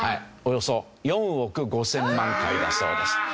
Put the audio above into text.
およそ４億５０００万回だそうです。